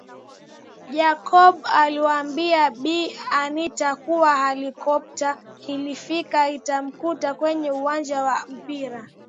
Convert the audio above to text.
Jacob alimwambia Bi Anita kuwa helikopta ikifika itamkuta kwenye uwanja wa mpira